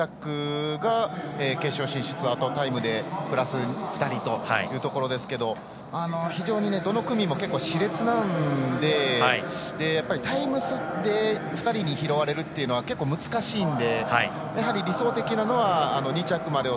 ２着が決勝進出、あとはタイムでプラス２人というところですが非常にどの組もしれつなんでタイム設定２人に拾われるというのは結構難しいのでやはり理想的なのは２着までを